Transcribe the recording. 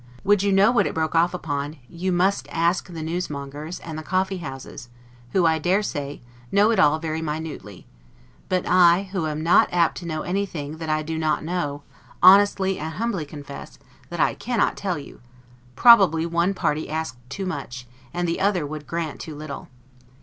Would you know what it broke off upon, you must ask the newsmongers, and the coffee houses; who, I dare say, know it all very minutely; but I, who am not apt to know anything that I do not know, honestly and humbly confess, that I cannot tell you; probably one party asked too much, and the other would grant too little.